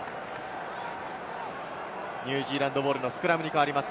ニュージーランドボールのスクラムに変わります。